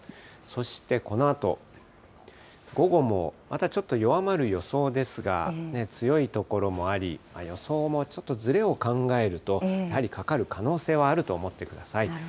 そしてこのあと、午後もまたちょっと弱まる予想ですが、強い所もあり、予想もちょっとずれを考えると、やはりかかる可能性はあると思ってください。